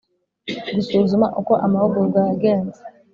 Gusuzuma uko amahugurwa yagenze